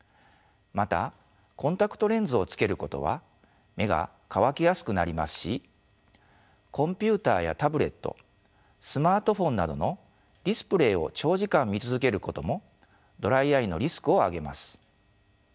またコンタクトレンズをつけることは目が乾きやすくなりますしコンピューターやタブレットスマートフォンなどのディスプレイを長時間見続けることもドライアイのリスクを上げます。